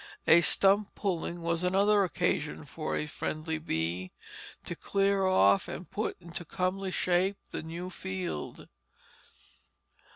A stump pulling was another occasion for a friendly bee, to clear off and put into comely shape the new field.